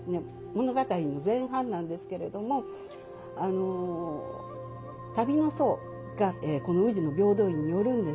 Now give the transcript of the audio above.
物語の前半なんですけれどもあの旅の僧がこの宇治の平等院に寄るんですね。